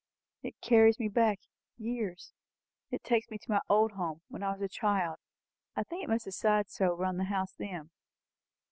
"It carries me back years. It takes me to my old home, when I was a child. I think it must have sighed so round the house then.